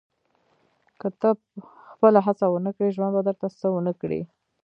• که ته خپله هڅه ونه کړې، ژوند به درته څه ونه کړي.